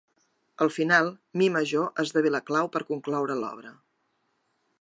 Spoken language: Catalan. Al final, mi major esdevé la clau per concloure l'obra.